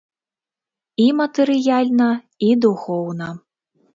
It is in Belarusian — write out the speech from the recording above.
І матэрыяльна, і духоўна.